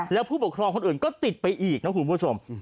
แล้วผู้ปกครองคนอื่นก็ติดไปอีกนะคุณผู้ชม